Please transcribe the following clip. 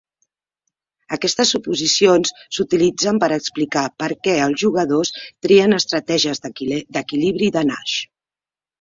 Aquestes suposicions s'utilitzen per explicar per què els jugadors trien estratègies d'equilibri de Nash.